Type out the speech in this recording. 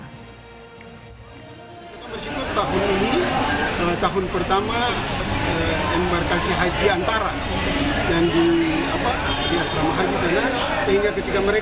kita bersikup tahun ini tahun pertama embarkasi haji antara